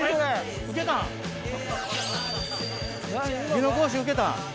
技能講習受けたん。